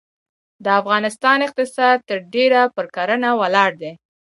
د افغانستان اقتصاد ترډیره پرکرهڼه ولاړ دی.